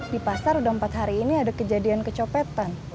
di pasar sudah empat hari ini ada kejadian kecopetan